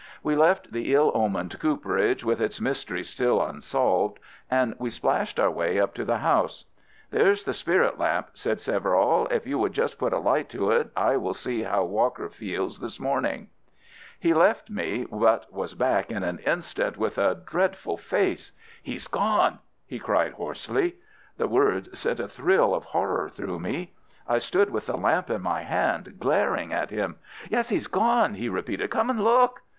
We left the ill omened cooperage with its mystery still unsolved, and we splashed our way up to the house. "There's the spirit lamp," said Severall. "If you would just put a light to it, I will see how Walker feels this morning." He left me, but was back in an instant with a dreadful face. "He's gone!" he cried hoarsely. The words sent a thrill of horror through me. I stood with the lamp in my hand, glaring at him. "Yes, he's gone!" he repeated. "Come and look!"